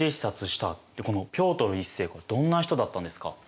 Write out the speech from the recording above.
このピョートル１世どんな人だったんですか？